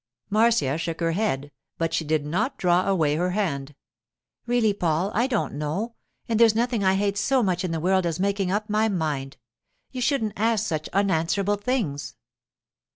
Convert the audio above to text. Marcia shook her head, but she did not draw away her hand. 'Really, Paul, I don't know—and there's nothing I hate so much in the world as making up my mind. You shouldn't ask such unanswerable things.